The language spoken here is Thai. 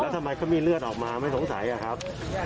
ทำไมเขามีเลือดออกมาไม่สงสัยอะครับ